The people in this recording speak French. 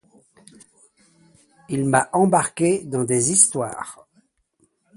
Il m'a embarqué dans des histoires !